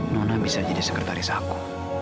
nona bisa jadi sekretaris aku